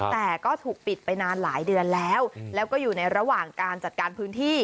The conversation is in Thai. แต่ก็ถูกปิดไปนานหลายเดือนแล้วแล้วก็อยู่ในระหว่างการจัดการพื้นที่